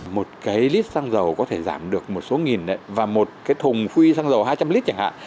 một cái lít xăng dầu có thể giảm được một số nghìn và một cái thùng khuy xăng dầu hai trăm linh lít chẳng hạn